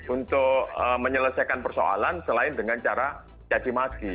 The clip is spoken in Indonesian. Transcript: untuk menyelesaikan persoalan selain dengan cara cacimaki